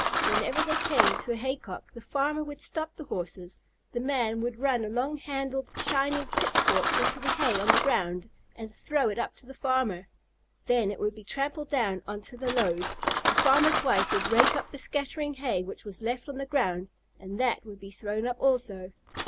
Whenever they came to a hay cock the farmer would stop the Horses, the man would run a long handled, shining pitch fork into the hay on the ground and throw it up to the farmer. Then it would be trampled down on to the load, the farmer's wife would rake up the scattering hay which was left on the ground, and that would be thrown up also.